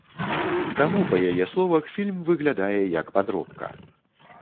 Таму, па яе словах, фільм выглядае як падробка.